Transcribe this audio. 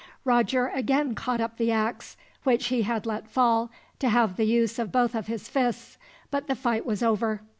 Roger again caught up the ax, which he had let fall to have the use of both of his fists, but the fight was over.